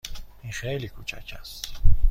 این خیلی کوچک است.